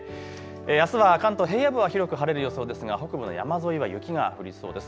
あすは関東、平野部は広く晴れる予想ですが北部の山沿いは雪が降りそうです。